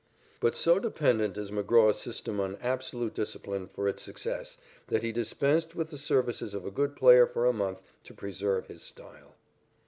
But so dependent is McGraw's system on absolute discipline for its success that he dispensed with the services of a good player for a month to preserve his style.